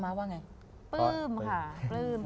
ปลื้มค่ะปลื้ม